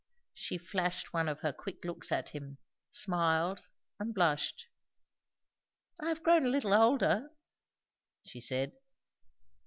She flashed one of her quick looks at him, smiled and blushed. "I have grown a little older " she said.